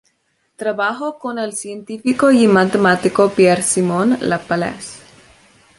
Trabajó con el científico y matemático Pierre-Simon Laplace.